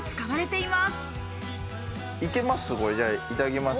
いけます？